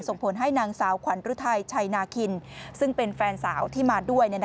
ส่งผลให้นางสาวขวัญฤทัยชัยนาคินซึ่งเป็นแฟนสาวที่มาด้วย